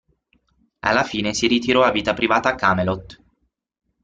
Alla fine si ritirò a vita privata a Camelot.